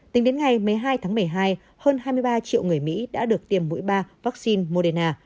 tính đến ngày một mươi hai tháng một mươi hai hơn hai mươi ba triệu người mỹ đã được tiêm mũi ba vaccine moderna